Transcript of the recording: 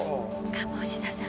鴨志田さん